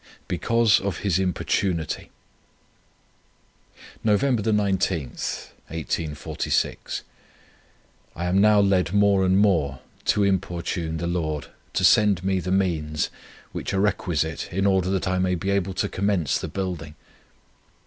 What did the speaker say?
"BECAUSE OF HIS IMPORTUNITY." "Nov. 19 . I am now led more and more to importune the Lord to send me the means, which are requisite in order that I may be able to commence the building.